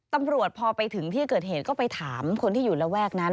ตำรวจพอไปถึงที่เกิดเหตุก็ไปถามคนที่อยู่ระแวกนั้น